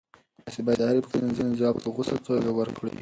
تاسي باید د هرې پوښتنې ځواب په غوڅه توګه ورکړئ.